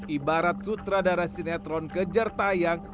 ibarat sutradara sinetron kejar tayang